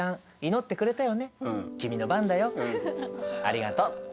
「ありがとう」。